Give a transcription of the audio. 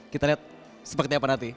kita lihat seperti apa nanti